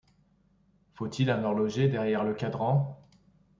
Faut-il un horloger derrière le cadran